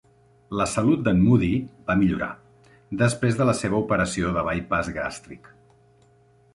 La salut d'en Moody va millorar després de la seva operació de bypass gàstric.